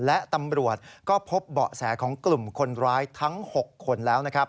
และตำรวจก็พบเบาะแสของกลุ่มคนร้ายทั้ง๖คนแล้วนะครับ